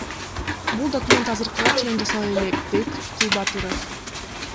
Бул документ азыркыга чейин жасала элек, — дейт Кулбатыров.